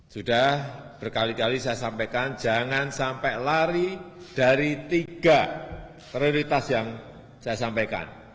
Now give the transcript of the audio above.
sudah berkali kali saya sampaikan jangan sampai lari dari tiga prioritas yang saya sampaikan